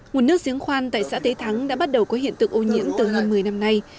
nguồn nước giếng khoan tại xã tế thắng đã bắt đầu có hiện tượng ô nhiễm từ hơn một mươi năm nay